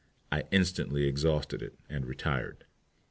I instantly extinguished it and retired.